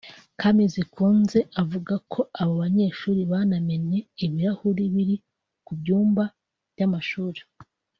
Kamizikunze avuga ko abo banyeshuri banamennye ibirahuri biri ku byumba by’amashuri